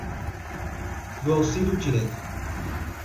Do Auxílio Direto